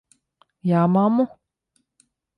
Jā, mammu?